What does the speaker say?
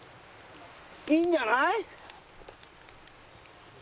いいんじゃない？